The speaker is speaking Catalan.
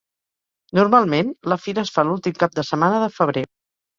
Normalment la fira es fa l'últim cap de setmana de febrer.